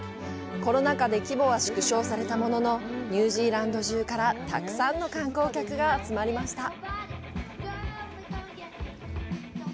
コロナ禍で規模は縮小されたもののニュージーランド中からたくさんの観光客が集まりました。